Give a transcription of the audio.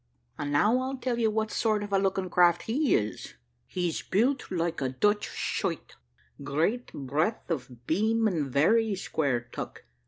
And now I'll tell you what sort of a looking craft he is. He's built like a Dutch schuyt, great breadth of beam, and very square tuck.